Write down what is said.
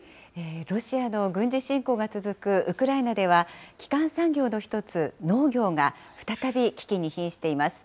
ロシアの軍事侵攻が続くウクライナでは、基幹産業の一つ、農業が再び危機にひんしています。